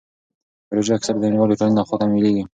پروژې اکثر د نړیوالې ټولنې لخوا تمویلیږي.